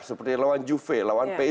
seperti lawan juve lawan pi